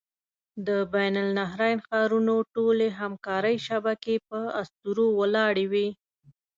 د بین النهرین ښارونو ټولې همکارۍ شبکې په اسطورو ولاړې وې.